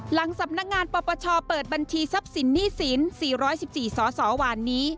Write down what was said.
หลังสำนักงานปรปเชาะเปิดบัญชีทรัพย์สินนี่สินสี่ร้อยสิบสี่สอสอวานนี้